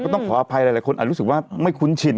ต้องขออภัยหลายคนอาจรู้สึกว่าไม่คุ้นชิน